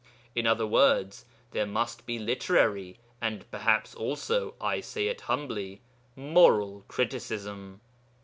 In other words, there must be literary and perhaps also (I say it humbly) moral criticism.